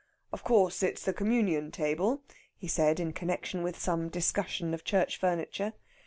"Of course, it's the Communion table," he said in connexion with some discussion of church furniture.